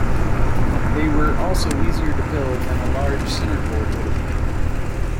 They were also easier to build than a large centreboard would have been.